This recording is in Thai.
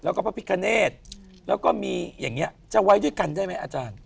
แล้วก็พระพิคเนธแล้วก็มีอย่างนี้จะไว้ด้วยกันได้ไหมอาจารย์